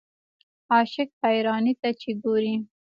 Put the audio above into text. عاشق حیرانۍ ته چې ګورې.